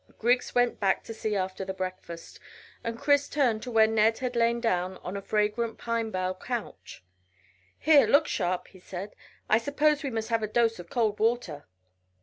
Griggs went back to see after the breakfast, and Chris turned to where Ned had lain down on a fragrant pine bough couch. "Here, look sharp," he said. "I suppose we must have a dose of cold water."